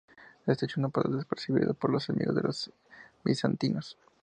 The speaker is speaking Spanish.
Este hecho no pasó desapercibido por los enemigos de los bizantinos.